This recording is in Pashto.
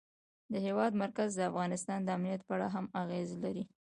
د هېواد مرکز د افغانستان د امنیت په اړه هم اغېز لري.